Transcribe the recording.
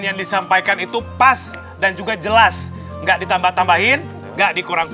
yang disampaikan itu pas dan juga jelas enggak ditambah tambahin enggak dikurangi